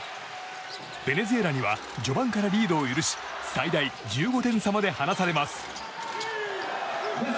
ベネズエラには序盤からリードを許し最大１５点差まで離されます。